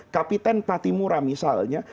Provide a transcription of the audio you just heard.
kapten patimura misalnya